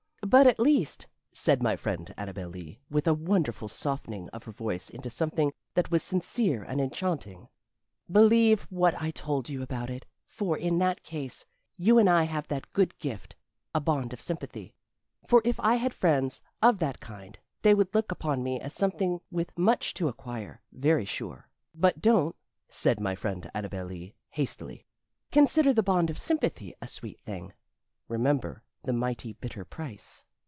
"But, at least," said my friend Annabel Lee, with a wonderful softening of her voice into something that was sincere and enchanting, "believe what I told you about it, for in that case you and I have that good gift a bond of sympathy. For if I had friends, of that kind, they would look upon me as something with much to acquire, very sure. But don't," said my friend Annabel Lee, hastily, "consider the bond of sympathy a sweet thing remember the mighty bitter price."